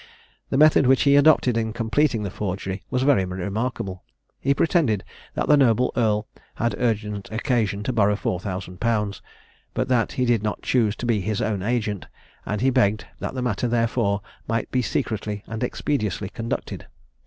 The method which he adopted in completing the forgery was very remarkable. He pretended that the noble earl had urgent occasion to borrow 4000_l._ but that he did not choose to be his own agent, and he begged that the matter therefore might be secretly and expeditiously conducted.